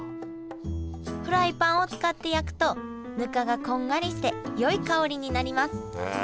フライパンを使って焼くとぬかがこんがりしてよい香りになります